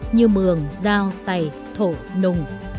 như mường giao tày thổ nùng